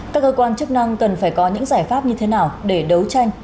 các cơ quan chức năng cần phải có những giải pháp như thế nào để đấu tranh